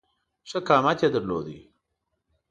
ښه قامت یې درلود.